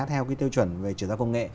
theo cái tiêu chuẩn về chuyển giao công nghệ